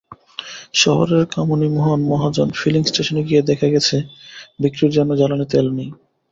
শহরের কামিনীমোহন মহাজন ফিলিং স্টেশনে গিয়ে দেখা গেছে, বিক্রির জন্য জ্বালানি তেল নেই।